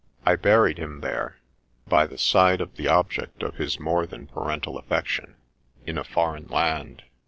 I buried him there, by the side of the object of his more than parental affection — in a foreign land.